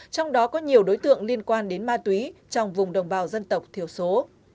trong đó có nhiều đối tượng liên quan đến ma túy trong vùng đồng bào dân tộc thiểu số